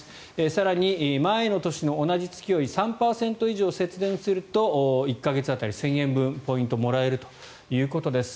更に、前の年の同じ月より３％以上節電すると１か月当たり１０００円分ポイントがもらえるということです。